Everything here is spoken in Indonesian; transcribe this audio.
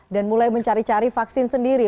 dan mulai mencari cari vaksin sendiri